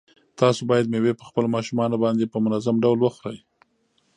تاسو باید مېوې په خپلو ماشومانو باندې په منظم ډول وخورئ.